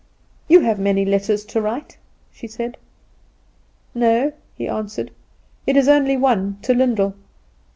"You have many letters to write," she said. "No," he answered; "it is only one to Lyndall."